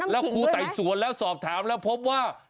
แล้วครูไต่สวนแล้วสอบถามแล้วพบว่า